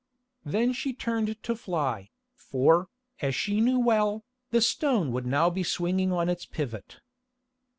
Then she turned to fly, for, as she knew well, the stone would now be swinging on its pivot.